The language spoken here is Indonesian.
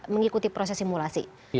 mengikuti proses simulasi